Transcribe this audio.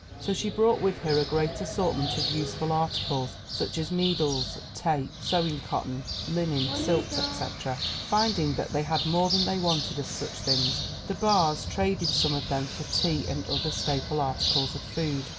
So she brought with her a great assortment of useful articles, such as needles, tape, sewing cotton (linens, silks, etc.). Finding that they had more than they wanted of such things, the Barrs traded some of them for tea and other staple articles of food.